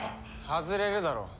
外れるだろ。